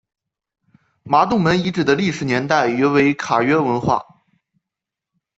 麻洞门遗址的历史年代为卡约文化。